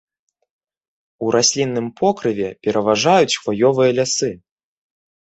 У раслінным покрыве пераважаюць хваёвыя лясы.